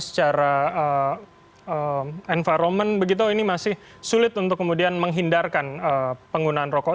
secara environment begitu ini masih sulit untuk kemudian menghindarkan penggunaan rokok